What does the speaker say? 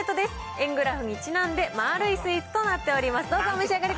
円グラフにちなんで、まーるいスイーツとなっております。